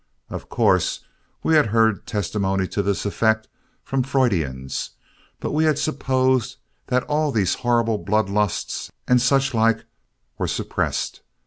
Of course, we had heard testimony to this effect from Freudians, but we had supposed that all these horrible blood lusts and such like were suppressed.